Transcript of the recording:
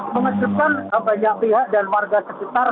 mengejutkan banyak pihak dan warga sekitar